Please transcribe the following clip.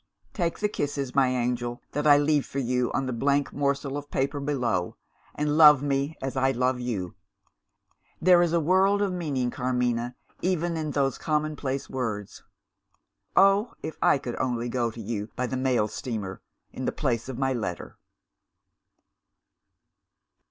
"Take the kisses, my angel, that I leave for you on the blank morsel of paper below, and love me as I love you. There is a world of meaning, Carmina, even in those commonplace words. Oh, if I could only go to you by the mail steamer, in the place of my letter!"